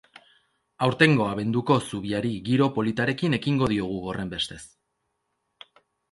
Aurtengo abenduko zubiari giro politarekin ekingo diogu, horrenbestez.